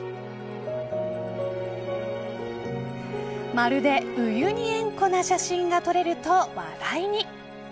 まるでウユニ塩湖な写真が撮れると話題に。